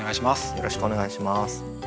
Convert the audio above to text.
よろしくお願いします。